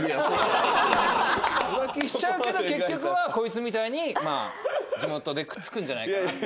浮気しちゃうけど結局はこいつみたいにまあ地元でくっつくんじゃないかなって。